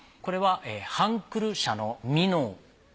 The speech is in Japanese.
これはハンクル社のミノー。